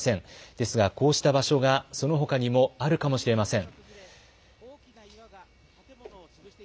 ですがこうした場所がそのほかにもあるかもしれません。